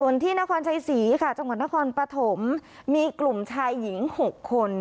ส่วนที่นครชัยศรีค่ะจังหวัดนครปฐมมีกลุ่มชายหญิง๖คน